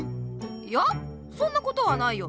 いやそんなことはないよ。